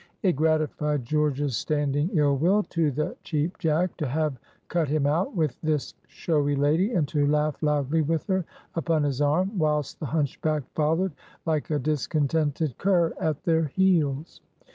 It gratified George's standing ill will to the Cheap Jack to have "cut him out" with this showy lady, and to laugh loudly with her upon his arm, whilst the hunchback followed, like a discontented cur, at their heels.